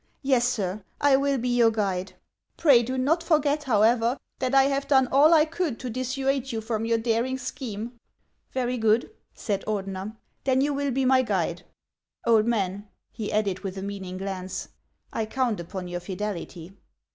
Yes, sir, 1 will be your guide. Tray do not forget, however, that I have done all I could to dissuade you from your daring scheme." " Very good," said Ordeuer. " Then you will be my guide. Old man," he added, with a meaning glance, " I count upon your fidelity."